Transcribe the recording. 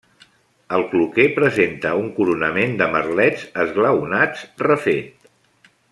El cloquer presenta un coronament de merlets esglaonats refet.